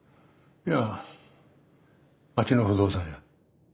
いや町の不動産屋。